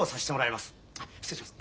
失礼します。